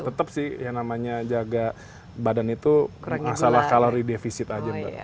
tetap sih yang namanya jaga badan itu masalah kalori defisit aja mbak